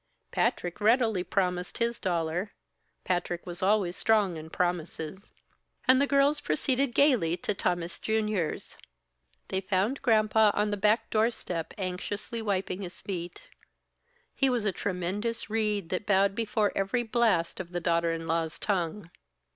Patrick readily promised his dollar Patrick was always strong in promises and the girls proceeded gaily to Tammas Junior's. They found Granpa on the back doorstep anxiously wiping his feet; he was a tremulous reed that bowed before every blast of the daughter in law's tongue.